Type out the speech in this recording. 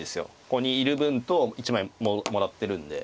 ここにいる分と１枚もらってるんで。